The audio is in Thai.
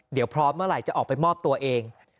เดี๋ยวพร้อมเมื่อไหร่จะออกไปมอบตัวเอง